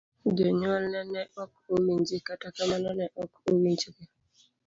Jonyuolne ne ok owinje, kata kamano ne ok owinjgi.